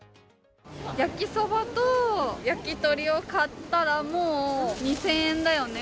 焼きそばと焼き鳥を買ったらもう２０００円だよね。